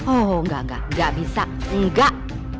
oh enggak enggak enggak bisa enggak